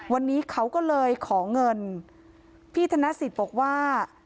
วันนี้เขาก็เลยขอเงินพี่ธนสิทธิ์บอกว่า